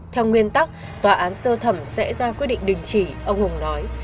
theo nguyên tắc tòa án sơ thẩm sẽ ra quyết định đình chỉ ông hùng nói